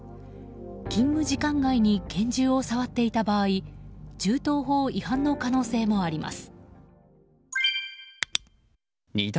勤務時間外に拳銃を触っていた場合銃刀法違反の可能性もあります。